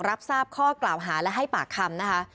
รับทราบข้อกล่าวหาและให้ปากคำนะคะ